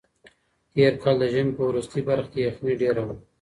تېر کال د ژمي په وروستۍ برخه کې یخنۍ ډېره وه.